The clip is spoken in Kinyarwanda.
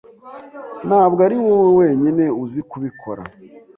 Ntabwo ari wowe wenyine uzi kubikora.